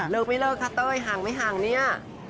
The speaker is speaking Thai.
เริ่มไม่เริ่มค่ะเต้ยห่างไม่ห่างเนี่ย